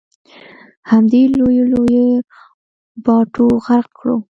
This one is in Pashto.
همدې لویو لویو باټو غرق کړو.